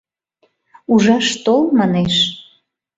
Ужаш тол, манеш.